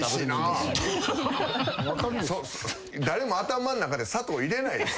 誰も頭ん中で砂糖入れないです。